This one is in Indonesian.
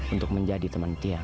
untuk menjadi teman tiang